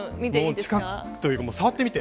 近くというか触ってみて。